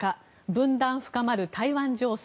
分断深まる台湾情勢。